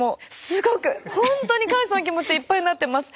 すごく本当に感謝の気持ちでいっぱいになってます。